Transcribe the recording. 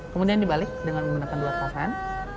kemudian dibalik dengan menggunakan dua pasan